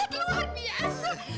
bikin kejutan yang sangat